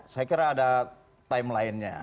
saya kira ada timelinenya